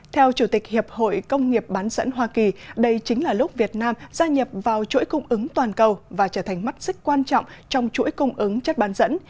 theo chủ tịch hiệp hội công nghiệp bán dẫn hoa kỳ đây chính là lúc việt nam gia nhập vào chuỗi cung ứng toàn cầu và trở thành mắt xích quan trọng trong chuỗi cung ứng chất bán dẫn